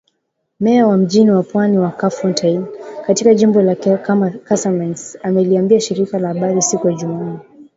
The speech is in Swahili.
Meya wa mji wa pwani wa Kafountine katika jimbo la Kasamance ameliambia shirika la habari siku ya Jumanne.